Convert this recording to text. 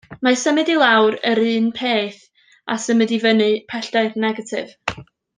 Mae symud i lawr yr un peth â symud i fyny pellter negatif.